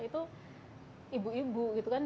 itu ibu ibu gitu kan